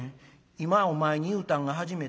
今お前に言うたんが初めて。